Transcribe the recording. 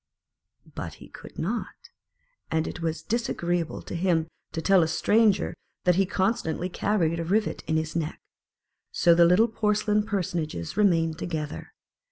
115 But he could not, and it was disagreeable to him to tell a stranger that he constantly carried a rivet in his neck. So the little porcelain personages remained together.